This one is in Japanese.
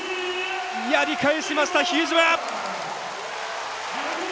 やり返しました、比江島！